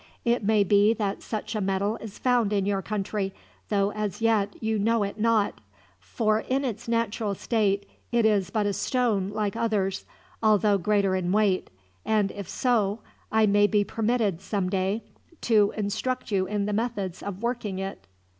It may be that such a metal is found in your country, though as yet you know it not; for in its natural state it is but a stone like others, although greater in weight; and if so, I may be permitted, some day, to instruct you in the methods of working it."